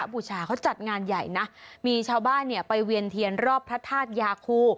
บูชาเขาจัดงานใหญ่นะมีชาวบ้านเนี่ยไปเวียนเทียนรอบพระธาตุยาคู